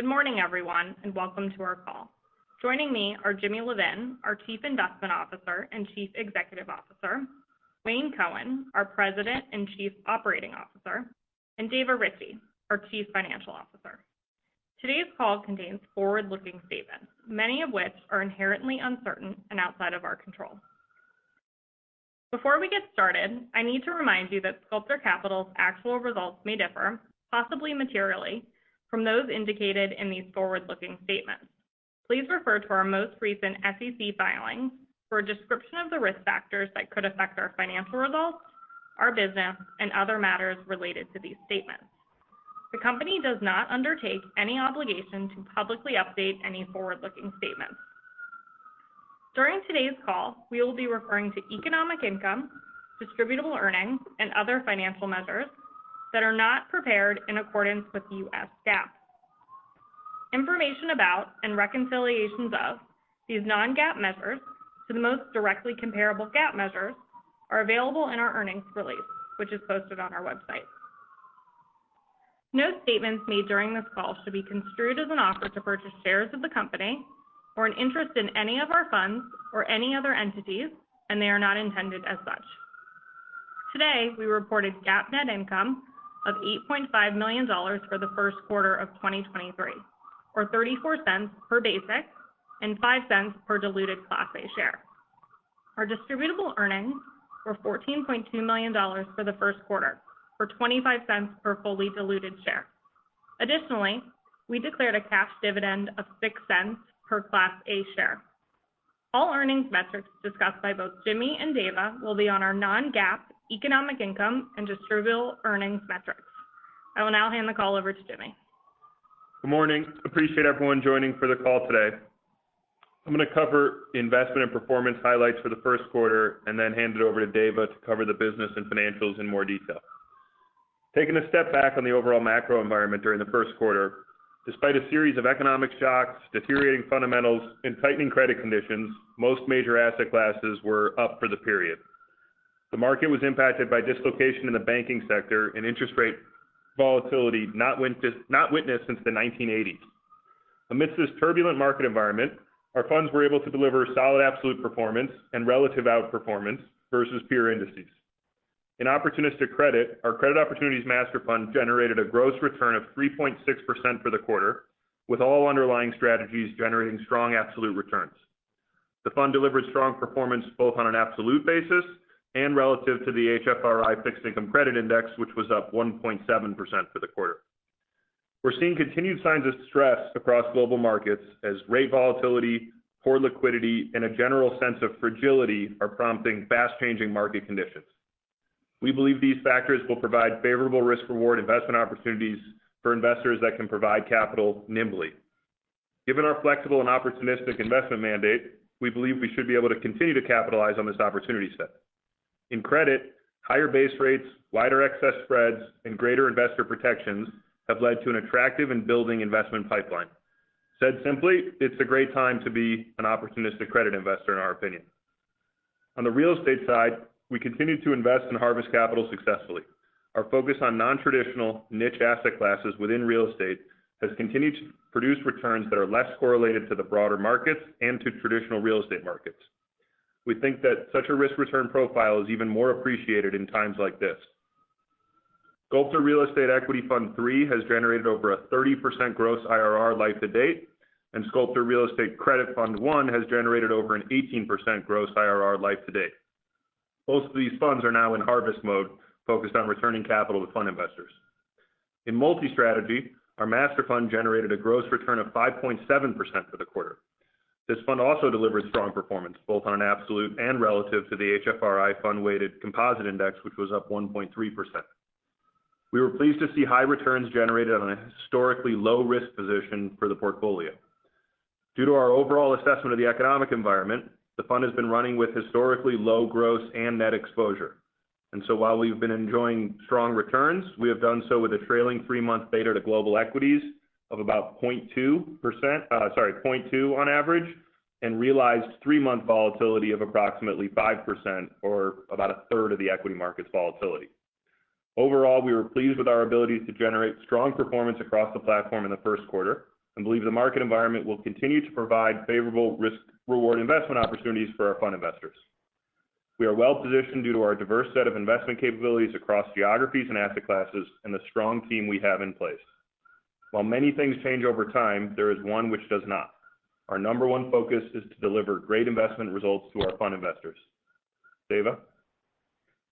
Good morning, everyone. Welcome to our call. Joining me are Jimmy Levin, our Chief Investment Officer and Chief Executive Officer, Wayne Cohen, our President and Chief Operating Officer, and Dava Ritchey, our Chief Financial Officer. Today's call contains forward-looking statements, many of which are inherently uncertain and outside of our control. Before we get started, I need to remind you that Sculptor Capital's actual results may differ, possibly materially, from those indicated in these forward-looking statements. Please refer to our most recent SEC filings for a description of the risk factors that could affect our financial results, our business, and other matters related to these statements. The Company does not undertake any obligation to publicly update any forward-looking statements. During today's call, we will be referring to Economic Income, Distributable Earnings, and other financial measures that are not prepared in accordance with U.S. GAAP. Information about and reconciliations of these non-GAAP measures to the most directly comparable GAAP measures are available in our earnings release, which is posted on our website. No statements made during this call should be construed as an offer to purchase shares of the company or an interest in any of our funds or any other entities, and they are not intended as such. Today, we reported GAAP net income of $8.5 million for the first quarter of 2023, or $0.34 per basic and $0.05 per diluted Class A share. Our Distributable Earnings were $14.2 million for the first quarter, for $0.25 per fully diluted share. Additionally, we declared a cash dividend of $0.06 per Class A share. All earnings metrics discussed by both Jimmy and Dava will be on our non-GAAP Economic Income and Distributable Earnings metrics. I will now hand the call over to Jimmy. Good morning. Appreciate everyone joining for the call today. I'm gonna cover investment and performance highlights for the first quarter. Then hand it over to Dava to cover the business and financials in more detail. Taking a step back on the overall macro environment during the first quarter, despite a series of economic shocks, deteriorating fundamentals, and tightening credit conditions, most major asset classes were up for the period. The market was impacted by dislocation in the banking sector and interest rate volatility not witnessed since the 1980s. Amidst this turbulent market environment, our funds were able to deliver solid absolute performance and relative outperformance versus peer indices. In opportunistic credit, our Sculptor Credit Opportunities Master Fund generated a gross return of 3.6% for the quarter, with all underlying strategies generating strong absolute returns. The fund delivered strong performance both on an absolute basis and relative to the HFRI Fixed Income Credit Index, which was up 1.7% for the quarter. We're seeing continued signs of stress across global markets as rate volatility, poor liquidity, and a general sense of fragility are prompting fast-changing market conditions. We believe these factors will provide favorable risk-reward investment opportunities for investors that can provide capital nimbly. Given our flexible and opportunistic investment mandate, we believe we should be able to continue to capitalize on this opportunity set. In credit, higher base rates, wider excess spreads, and greater investor protections have led to an attractive and building investment pipeline. Said simply, it's a great time to be an opportunistic credit investor, in our opinion. On the real estate side, we continue to invest and harvest capital successfully. Our focus on non-traditional niche asset classes within real estate has continued to produce returns that are less correlated to the broader markets and to traditional real estate markets. We think that such a risk-return profile is even more appreciated in times like this. Sculptor Real Estate Equity Fund III has generated over a 30% gross IRR life to date, and Sculptor Real Estate Credit Fund I has generated over an 18% gross IRR life to date. Both of these funds are now in harvest mode, focused on returning capital to fund investors. In multi-strategy, our Master Fund generated a gross return of 5.7% for the quarter. This fund also delivered strong performance, both on an absolute and relative to the HFRI Fund Weighted Composite Index, which was up 1.3%. We were pleased to see high returns generated on a historically low risk position for the portfolio. Due to our overall assessment of the economic environment, the fund has been running with historically low gross and net exposure. While we've been enjoying strong returns, we have done so with a trailing three-month beta to global equities of about 0.2 on average, and realized three-month volatility of approximately 5% or about a third of the equity market's volatility. Overall, we were pleased with our ability to generate strong performance across the platform in the first quarter and believe the market environment will continue to provide favorable risk-reward investment opportunities for our fund investors. We are well-positioned due to our diverse set of investment capabilities across geographies and asset classes and the strong team we have in place. While many things change over time, there is one which does not. Our number one focus is to deliver great investment results to our fund investors. Dava?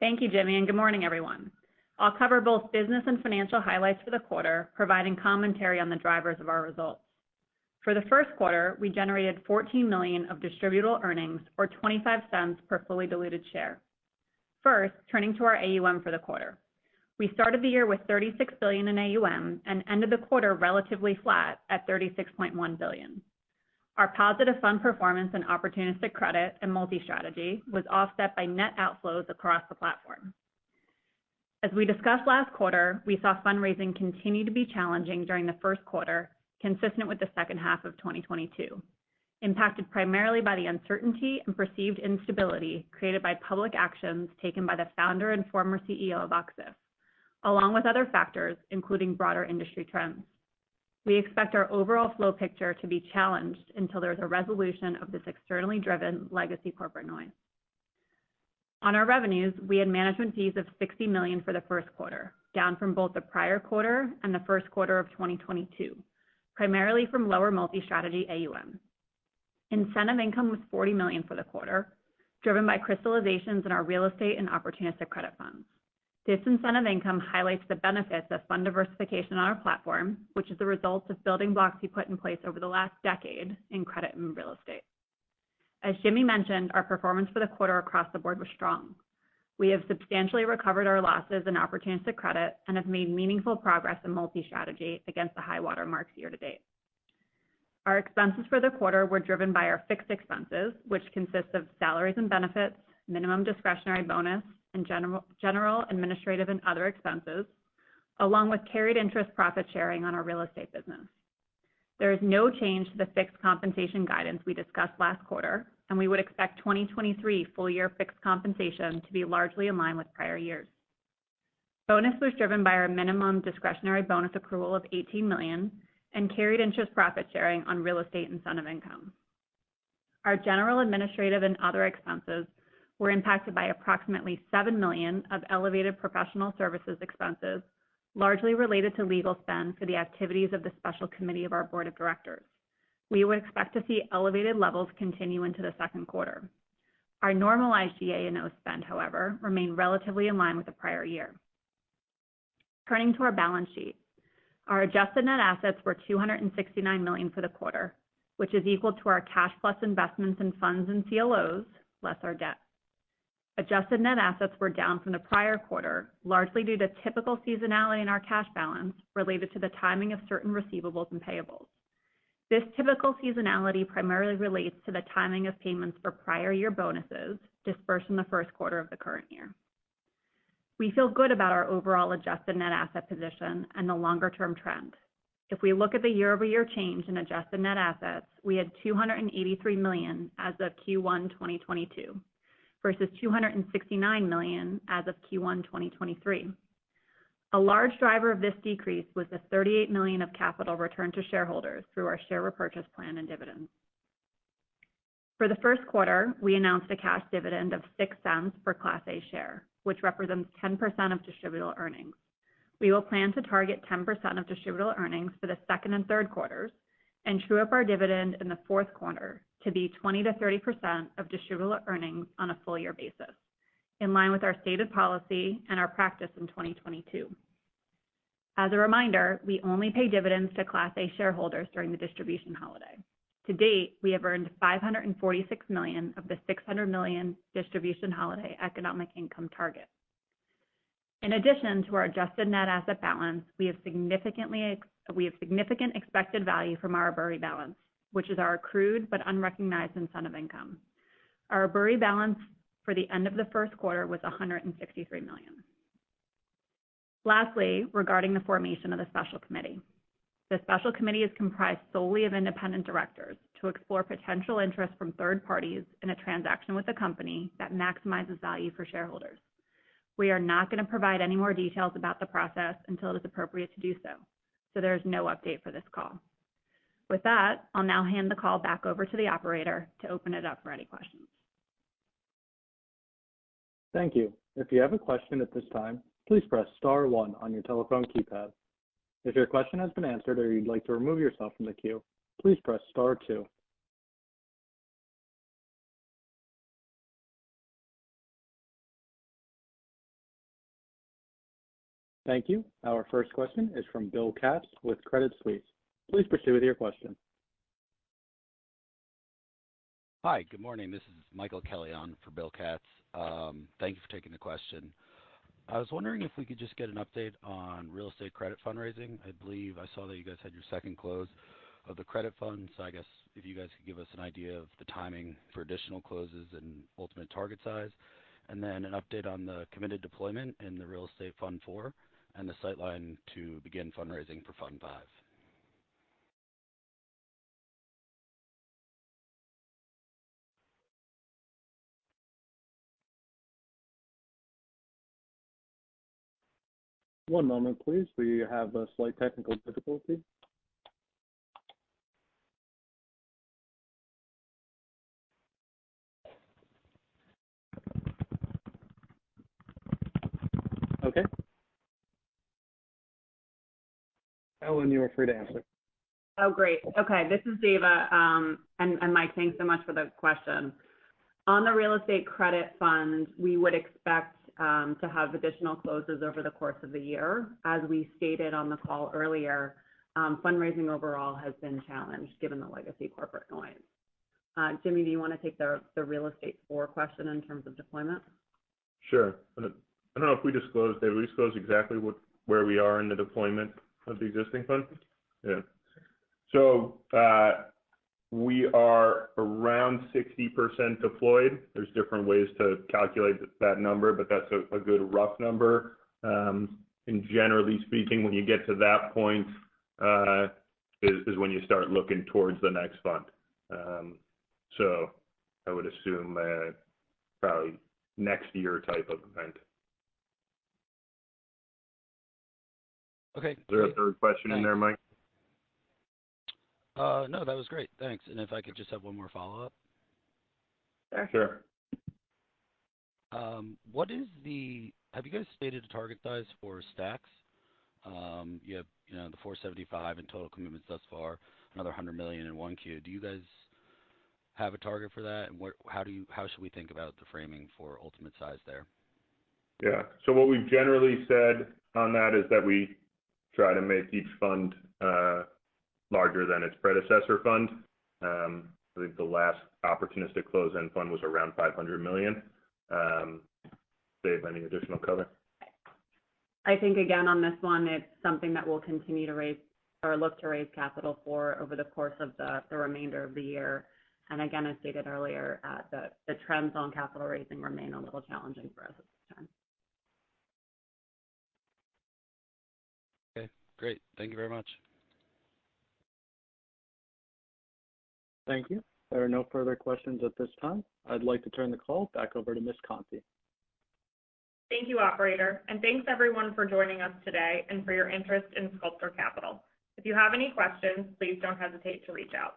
Thank you, Jimmy, and good morning, everyone. I'll cover both business and financial highlights for the quarter, providing commentary on the drivers of our results. For the first quarter, we generated $14 million of Distributable Earnings or $0.25 per fully diluted share. First, turning to our AUM for the quarter. We started the year with $36 billion in AUM and ended the quarter relatively flat at $36.1 billion. Our positive fund performance in opportunistic credit and multi-strategy was offset by net outflows across the platform. As we discussed last quarter, we saw fundraising continue to be challenging during the first quarter, consistent with the second half of 2022. Impacted primarily by the uncertainty and perceived instability created by public actions taken by the founder and former CEO of Och-Ziff, along with other factors, including broader industry trends. We expect our overall flow picture to be challenged until there's a resolution of this externally driven legacy corporate noise. On our revenues, we had management fees of $60 million for the first quarter, down from both the prior quarter and the first quarter of 2022, primarily from lower multi-strategy AUM. Incentive income was $40 million for the quarter, driven by crystallizations in our real estate and opportunistic credit funds. This incentive income highlights the benefits of fund diversification on our platform, which is the result of building blocks we put in place over the last decade in credit and real estate. As Jimmy mentioned, our performance for the quarter across the board was strong. We have substantially recovered our losses in opportunistic credit and have made meaningful progress in multi-strategy against the high-water marks year to date. Our expenses for the quarter were driven by our fixed expenses, which consist of salaries and benefits, minimum discretionary bonus, and general, administrative, and other expenses, along with carried interest profit sharing on our real estate business. There is no change to the fixed compensation guidance we discussed last quarter, and we would expect 2023 full year fixed compensation to be largely in line with prior years. Bonus was driven by our minimum discretionary bonus approval of $18 million and carried interest profit sharing on real estate incentive income. Our general, administrative, and other expenses were impacted by approximately $7 million of elevated professional services expenses, largely related to legal spend for the activities of the special committee of our board of directors. We would expect to see elevated levels continue into the second quarter. Our normalized G&A spend, however, remained relatively in line with the prior year. Turning to our balance sheet. Our adjusted net assets were $269 million for the quarter, which is equal to our cash plus investments in funds and CLOs, less our debt. Adjusted net assets were down from the prior quarter, largely due to typical seasonality in our cash balance related to the timing of certain receivables and payables. This typical seasonality primarily relates to the timing of payments for prior year bonuses disbursed in the first quarter of the current year. We feel good about our overall adjusted net asset position and the longer term trend. If we look at the year-over-year change in adjusted net assets, we had $283 million as of Q1 2022 versus $269 million as of Q1 2023. A large driver of this decrease was the $38 million of capital returned to shareholders through our share repurchase plan and dividends. For the first quarter, we announced a cash dividend of $0.06 per Class A share, which represents 10% of distributable earnings. We will plan to target 10% of distributable earnings for the second and third quarters and true up our dividend in the fourth quarter to be 20%-30% of distributable earnings on a full year basis, in line with our stated policy and our practice in 2022. As a reminder, we only pay dividends to Class A shareholders during the distribution holiday. To date, we have earned $546 million of the $600 million distribution holiday Economic Income target. In addition to our adjusted net asset balance, we have significant expected value from our ABURI balance, which is our accrued but unrecognized incentive income. Our ABURI balance for the end of the first quarter was $163 million. Lastly, regarding the formation of the special committee. The special committee is comprised solely of independent directors to explore potential interest from third parties in a transaction with the company that maximizes value for shareholders. We are not gonna provide any more details about the process until it is appropriate to do so. There is no update for this call. With that, I'll now hand the call back over to the operator to open it up for any questions. Thank you. If you have a question at this time, please press star 1 on your telephone keypad. If your question has been answered or you'd like to remove yourself from the queue, please press star 2. Thank you. Our first question is from Bill Katz with Credit Suisse. Please proceed with your question. Hi, good morning. This is Michael Kelly on for Bill Katz. Thank you for taking the question. I was wondering if we could just get an update on real estate credit fundraising. I believe I saw that you guys had your 2nd close of the credit fund. I guess if you guys could give us an idea of the timing for additional closes and ultimate target size. An update on the committed deployment in the Real Estate Fund IV and the sightline to begin fundraising for Fund V. One moment please. We have a slight technical difficulty. Okay. Ellen, you are free to answer. Oh, great. Okay, this is Dava. Mike, thanks so much for the question. On the real estate credit fund, we would expect to have additional closes over the course of the year. We stated on the call earlier, fundraising overall has been challenged given the legacy corporate noise. Jimmy, do you wanna take the Real Estate IV question in terms of deployment? Sure. I don't know if we disclosed it. Did we disclose exactly where we are in the deployment of the existing fund? Yeah. We are around 60% deployed. There's different ways to calculate that number, but that's a good rough number. Generally speaking, when you get to that point, is when you start looking towards the next fund. I would assume a probably next year type of event. Okay. Is there a third question in there, Mike? No, that was great. Thanks. If I could just have one more follow-up. Sure. What is the have you guys stated a target size for STACs? You have, you know, the $475 million in total commitments thus far, another $100 million in 1Q. Do you guys have a target for that? Where how do you how should we think about the framing for ultimate size there? Yeah. What we've generally said on that is that we try to make each fund larger than its predecessor fund. I believe the last opportunistic close-end fund was around $500 million. Dave, any additional color? I think again, on this one, it's something that we'll continue to raise or look to raise capital for over the course of the remainder of the year. Again, as stated earlier, the trends on capital raising remain a little challenging for us at this time. Okay, great. Thank you very much. Thank you. There are no further questions at this time. I'd like to turn the call back over to Ellen Conti. Thank you, operator. Thanks everyone for joining us today and for your interest in Sculptor Capital. If you have any questions, please don't hesitate to reach out.